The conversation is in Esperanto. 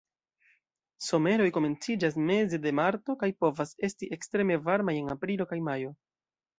Someroj komenciĝas meze de marto kaj povas esti ekstreme varmaj en aprilo kaj majo.